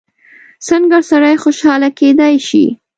څنګه سړی خوشحاله کېدای شي؟